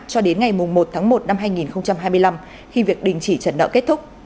cho đến ngày một tháng một năm hai nghìn hai mươi năm khi việc đình chỉ trả nợ kết thúc